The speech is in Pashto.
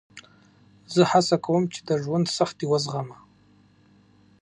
زه هڅه کوم چې د ژوند سختۍ وزغمه.